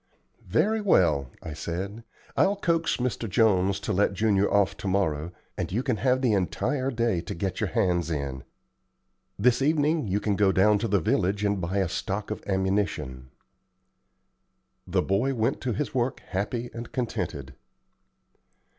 "Very well," I said, "I'll coax Mr. Jones to let Junior off to morrow, and you can have the entire day to get your hands in. This evening you can go down to the village and buy a stock of ammunition." The boy went to his work happy and contented.